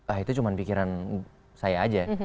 ah itu cuma pikiran saya aja